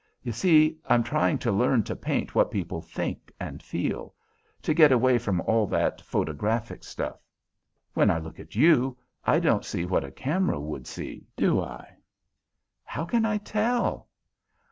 You see I'm trying to learn to paint what people think and feel; to get away from all that photographic stuff. When I look at you, I don't see what a camera would see, do I?" "How can I tell?"